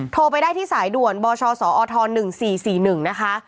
โทรไปได้ที่สายด่วนบชสอท๑๔๔๑นะคะ